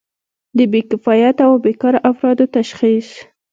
د بې کفایته او بیکاره افرادو تشخیص.